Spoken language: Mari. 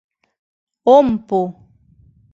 Ом пу...